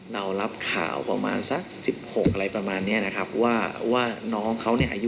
เรารับข่าวประมาณสัก๑๖อะไรประมาณนี้นะครับว่าน้องเขาเนี่ยอายุยังเด็กอยู่๑๕ตัวหน้าผู้หญิงหายไป